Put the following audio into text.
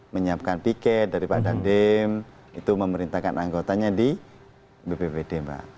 menyiapkan piket dari padangdem itu memerintahkan anggotanya di bppd